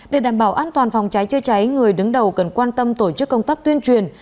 để đảm bảo an toàn phòng cháy chữa cháy người đứng đầu cần quan tâm tổ chức công tác tuyên truyền